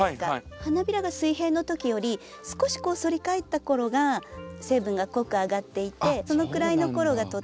花びらが水平の時より少し反り返った頃が成分が濃くあがっていてそのくらいの頃がとっても摘みどき。